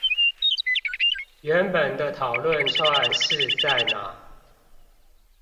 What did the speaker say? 原本的討論串是在哪？